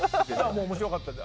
面白かったです。